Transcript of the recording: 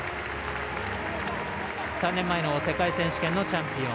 ３年前の世界選手権のチャンピオン。